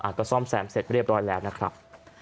ก็ซ่อมแซมเสร็จเรียบร้อยแล้วนะครับ